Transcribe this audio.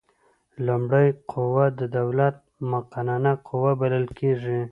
لومړۍ قوه د دولت مقننه قوه بلل کیږي.